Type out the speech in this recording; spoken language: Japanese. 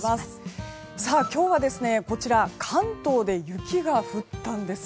今日はこちら、関東で雪が降ったんです。